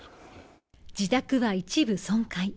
自宅は一部損壊。